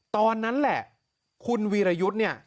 ตอนนั้นแหละคุณวีรยุทธ์เนี่ย